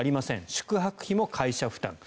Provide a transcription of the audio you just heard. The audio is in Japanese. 宿泊費も会社負担。